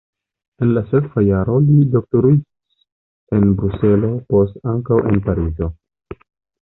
En la sekva jaro li doktoriĝis en Bruselo, poste ankaŭ en Parizo.